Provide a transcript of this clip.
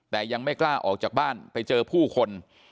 แต่ยังไม่กล้าออกจากบ้านไปเจอผู้คน